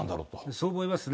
そう思いますね。